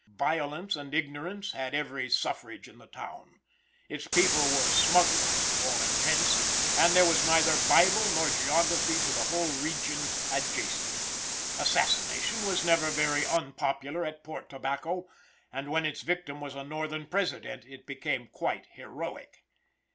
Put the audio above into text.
Violence and ignorance had every suffrage in the town. Its people were smugglers, to all intents, and there was neither Bible nor geography to the whole region adjacent. Assassination was never very unpopular at Port Tobacco, and when its victim was a northern president it became quite heroic.